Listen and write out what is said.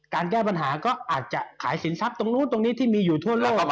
แก้ปัญหาก็อาจจะขายสินทรัพย์ตรงนู้นตรงนี้ที่มีอยู่ทั่วโลก